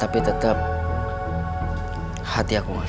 tapi tetep hati aku gak datang